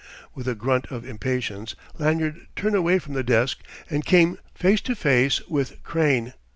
With a grunt of impatience Lanyard turned away from the desk, and came face to face with Crane.